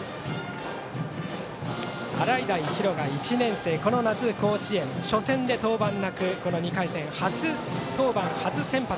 洗平比呂が１年生この夏甲子園、初戦で登板なくこの２回戦、初登板初先発。